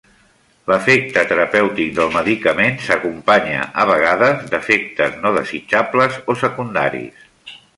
L'efecte terapèutic del medicament s'acompanya, a vegades, d'efectes no desitjables o secundaris.